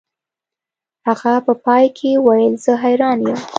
هغه په پای کې وویل زه حیران یم